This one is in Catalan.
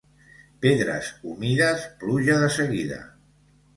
Pedres humides, pluja de seguida.